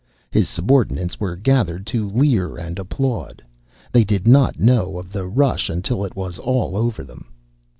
His subordinates were gathered to leer and applaud. They did not know of the rush until it was all over them.